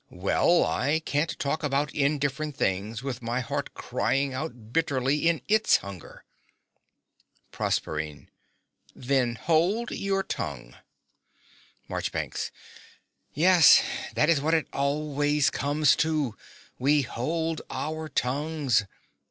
Well: I can't talk about indifferent things with my heart crying out bitterly in ITS hunger. PROSERPINE. Then hold your tongue. MARCHBANKS. Yes: that is what it always comes to. We hold our tongues.